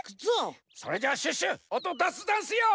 それじゃあシュッシュおとだすざんすよ！